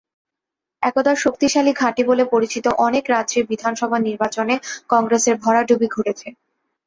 একদা শক্তিশালী ঘাঁটি বলে পরিচিত অনেক রাজ্যের বিধানসভা নির্বাচনে কংগ্রেসের ভরাডুবি ঘটেছে।